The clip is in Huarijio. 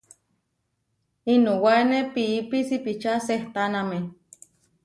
Inuwáene piípi sipiča sehtáname.